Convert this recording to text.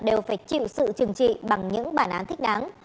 đều phải chịu sự trừng trị bằng những bản án thích đáng